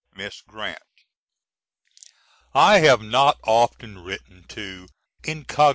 MISS GRANT: I have not often written to "incog."